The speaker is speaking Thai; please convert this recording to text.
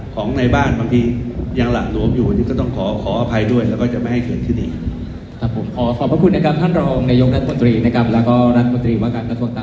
ของในบ้านบางทียังหละหลวมอยู่อันนี้ก็ต้องขอขออภัยด้วยแล้วก็จะไม่ให้เกิดขึ้นอีก